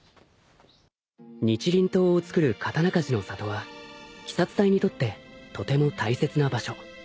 ［日輪刀を作る刀鍛冶の里は鬼殺隊にとってとても大切な場所］